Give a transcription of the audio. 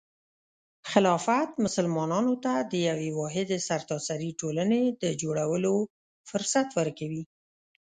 خلافت مسلمانانو ته د یوې واحدې سرتاسري ټولنې د جوړولو فرصت ورکوي.